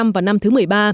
vào năm thứ một mươi ba